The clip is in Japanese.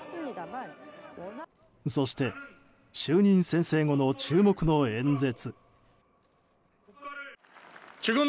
そして、就任宣誓後の注目の演説。